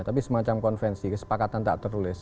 tapi semacam konvensi kesepakatan tak tertulis